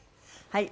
はい。